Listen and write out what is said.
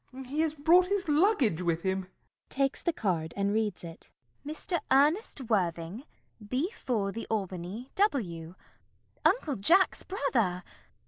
He has brought his luggage with him. CECILY. [Takes the card and reads it.] 'Mr. Ernest Worthing, B. 4, The Albany, W.' Uncle Jack's brother!